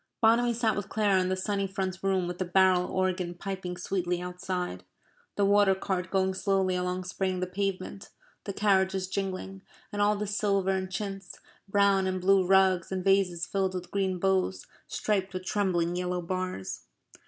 Bonamy sat with Clara in the sunny front room with the barrel organ piping sweetly outside; the water cart going slowly along spraying the pavement; the carriages jingling, and all the silver and chintz, brown and blue rugs and vases filled with green boughs, striped with trembling yellow bars.